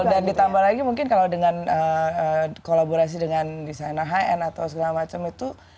dan ditambah lagi mungkin kalau dengan kolaborasi dengan desainer high end atau segala macam itu